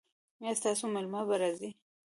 ایا ستاسو میلمه به راځي؟